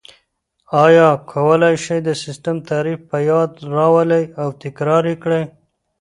آیا کولای شئ د سیسټم تعریف په یاد راولئ او تکرار یې کړئ؟